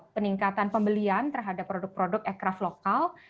peningkatan pembelian terhadap produk produk aircraft lokal